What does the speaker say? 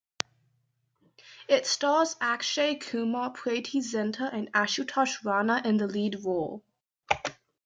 It stars Akshay Kumar, Preity Zinta, and Ashutosh Rana in the lead role.